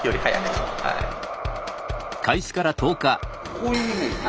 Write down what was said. こういうイメージで。